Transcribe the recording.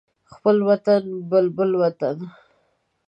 خپل وطن بلبل وطن